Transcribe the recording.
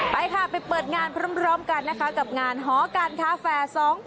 ไปค่ะไปเปิดงานพร้อมกันนะคะกับงานหอการค้าแฟร์๒๐